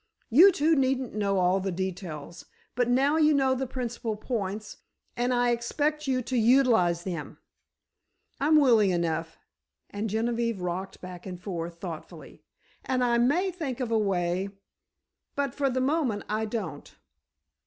You two needn't know all the details, but now you know the principal points, and I expect you to utilize them." "I'm willing enough," and Genevieve rocked back and forth thoughtfully, "and I may think of a way—but, for the moment, I don't."